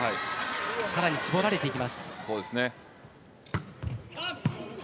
さらに絞られていきます。